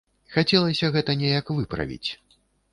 Хацелася гэта неяк выправіць.